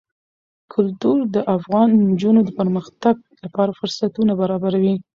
کلتور د افغان نجونو د پرمختګ لپاره فرصتونه برابروي.